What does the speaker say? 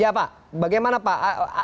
ya pak bagaimana pak